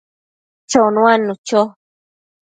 chonuadnu cho